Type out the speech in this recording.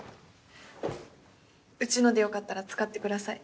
うちのでよかったら使ってください。